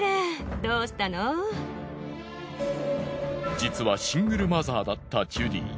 実はシングルマザーだったジュディ。